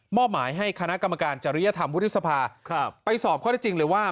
หมายให้คณะกรรมการจริยธรรมวุฒิสภาไปสอบข้อได้จริงเลยว่า